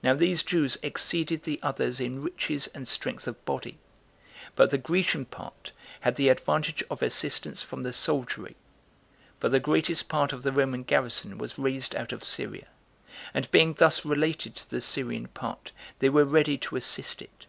Now these Jews exceeded the others in riches and strength of body; but the Grecian part had the advantage of assistance from the soldiery; for the greatest part of the Roman garrison was raised out of Syria; and being thus related to the Syrian part, they were ready to assist it.